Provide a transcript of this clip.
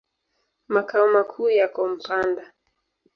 Makao makuu yako Mpanda.